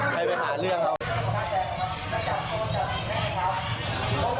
ไปหาเรื่อง